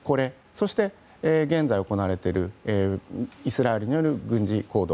そして現在行われているイスラエルによる軍事行動。